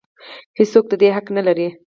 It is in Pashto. هېڅ څوک د دې حق نه لري.